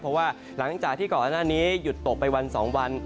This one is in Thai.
เพราะว่าหลังจากที่ก่อนหน้านี้หยุดตกไปวัน๒วัน